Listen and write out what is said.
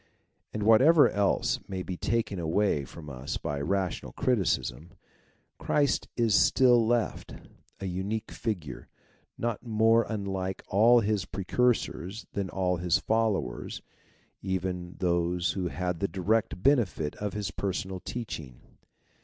And whatever else may be taken away from us by rational criticism, Christ is still left ; a unique figure, not more unlike all his precursors than all his followers, even those who had the direct benefit of his personal teaching.